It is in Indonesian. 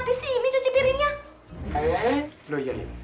di sini ya